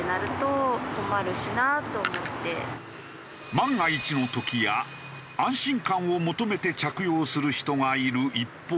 万が一の時や安心感を求めて着用する人がいる一方。